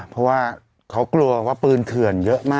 เพราะว่าเขากลัวว่าปืนเถื่อนเยอะมาก